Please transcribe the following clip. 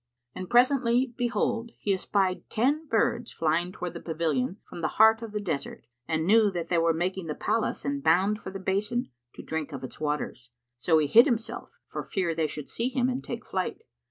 [FN#52] And presently, behold, he espied ten birds[FN#53] flying towards the pavilion from the heart of the desert and knew that they were making the palace and bound for the basin, to drink of its waters: so he hid himself, for fear they should see him and take flight.